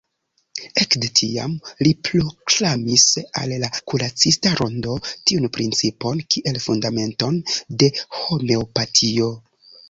Ekde tiam li proklamis al la kuracista rondo tiun principon kiel fundamenton de Homeopatio.